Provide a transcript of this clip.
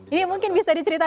ini mungkin bisa diceritakan